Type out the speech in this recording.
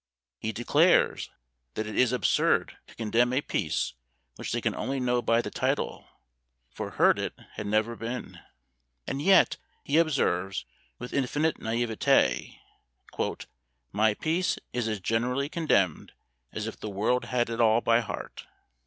He declares that it is absurd to condemn a piece which they can only know by the title, for heard it had never been! And yet he observes, with infinite naÃŸvetÃ©, "My piece is as generally condemned as if the world had it all by heart."